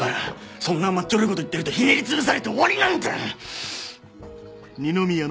そんな甘っちょろいこと言ってるとひねりつぶされて終わりなんだよ！